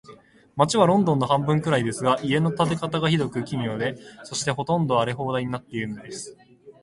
街はロンドンの半分くらいですが、家の建て方が、ひどく奇妙で、そして、ほとんど荒れ放題になっているのです。